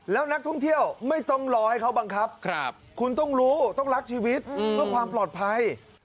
แล้วนักท่องเที่ยวไม่ต้องรอให้เขาบังคับคุณต้องรู้ต้องรักชีวิตเพื่อความปลอดภัย